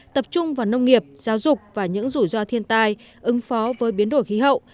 tập trung vào nông nghiệp giáo dục và những rủi ro thiên tai ứng phó với biến đổi khí hậu